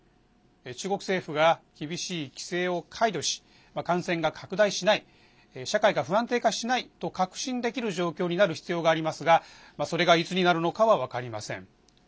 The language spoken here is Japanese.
中国政府が厳しい規制を解除し感染が拡大しない社会が不安定化しないと確信できる状況になる必要がありますがそれが、いつになるのかは分かりません。